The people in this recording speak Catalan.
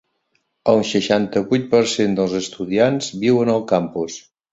El seixanta-vuit per cent dels estudiants viuen al campus.